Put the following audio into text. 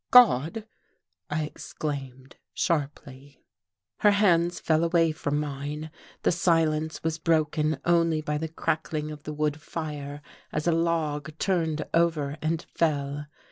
"God!" I exclaimed sharply. Her hands fell away from mine.... The silence was broken only by the crackling of the wood fire as a log turned over and fell.